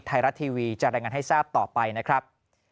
ไทยรัฐทีวีจะรายงานให้ทราบต่อไปนะครับ